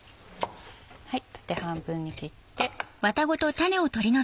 縦半分に切って。